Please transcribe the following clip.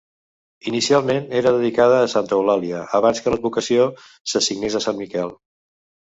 Inicialment era dedicada a santa Eulàlia, abans que l'advocació s'assignés a sant Miquel.